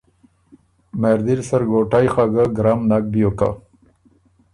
مهردل سرګوټئ خه ګه ګرم نک بیوک که